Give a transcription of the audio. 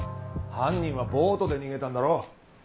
犯人はボートで逃げたんだろ！